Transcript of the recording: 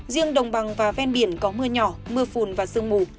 riêng đồng bằng và ven biển có mưa nhỏ mưa phùn và sương mù